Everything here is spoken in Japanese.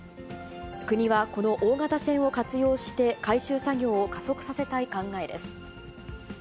国はこの大型船を活用して、回収作業を加速させたい考えです。